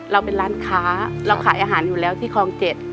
เราเป็นร้านค้าเราขายอาหารอยู่แล้วที่คลอง๗